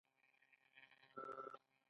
د مسلکي کسانو نشتون ستونزه ده.